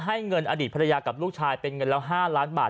เงินอดีตภรรยากับลูกชายเป็นเงินแล้ว๕ล้านบาท